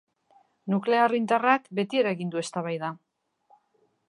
Nuklear indarrak beti eragin du eztabaida.